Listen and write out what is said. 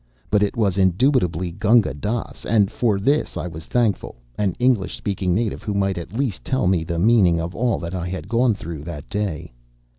But it was indubitably Gunga Dass, and for this I was thankfull an English speaking native who might at least tell me the meaning of all that I had gone through that day.